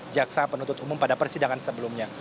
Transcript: jaksa penuntut umum pada persidangan sebelumnya